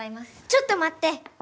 ちょっと待って！